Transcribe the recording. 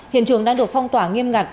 hiện trường đang được phong tỏa nghiêm ngặt